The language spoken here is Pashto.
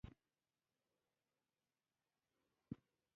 پخلی چمتو کړئ